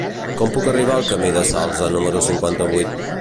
Com puc arribar al camí del Salze número cinquanta-vuit?